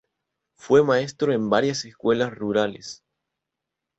Fue maestro en varias escuelas rurales.